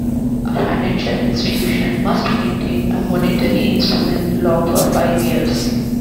A financial institution must maintain a Monetary Instrument Log for five years.